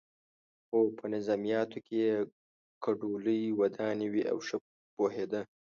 خو په نظمیاتو کې یې کوډلۍ ودانې وې او ښه پوهېده.